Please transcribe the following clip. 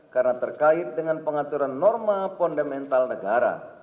karena terkait dengan pengaturan norma fundamental negara